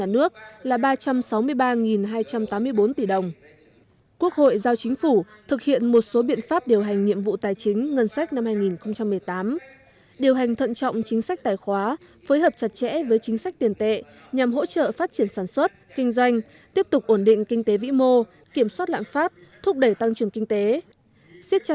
mức bộ chi ngân sách nhà nước là hai trăm linh bốn tỷ đồng tương đương ba bảy tổng sản phẩm trong nước